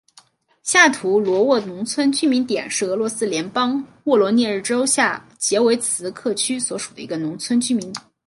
下图罗沃农村居民点是俄罗斯联邦沃罗涅日州下杰维茨克区所属的一个农村居民点。